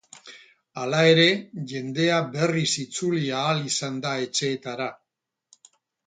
Hala ere, jendea berriz itzuli ahal izan da etxeetara.